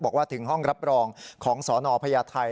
บอกว่าถึงห้องรับรองของสนพญาไทย